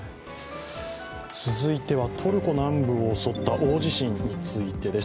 続いてはトルコ南部を襲った大地震についてです。